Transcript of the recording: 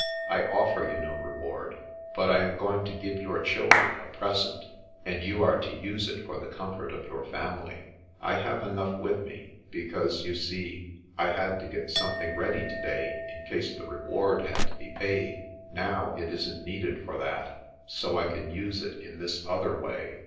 I offer you no reward, but I am going to give your children a present, and you are to use it for the comfort of your family. I have enough with me, because, you see, I had to get something ready to day, in case the reward had to be paid. Now, it isn't needed for that, so I can use it in this other way.